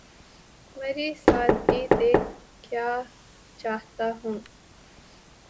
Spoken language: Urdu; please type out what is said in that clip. مری سادگی دیکھ کیا چاہتا ہوں